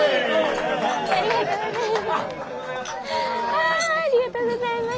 あありがとうございました。